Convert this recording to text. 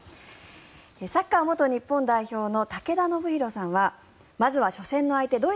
サッカー元日本代表の武田修宏さんはまずは初戦の相手